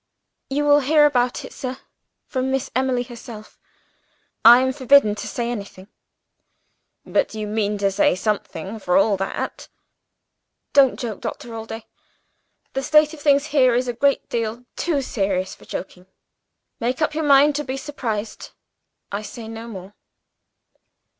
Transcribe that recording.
"You will hear about it, sir, from Miss Emily herself. I am forbidden to say anything." "But you mean to say something for all that?" "Don't joke, Doctor Allday! The state of things here is a great deal too serious for joking. Make up your mind to be surprised I say no more."